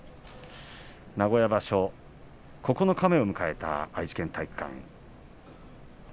名古屋場所九日目を迎えた愛知県体育館。